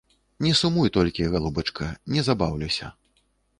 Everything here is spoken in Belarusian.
Не сумуй толькі, галубачка, не забаўлюся.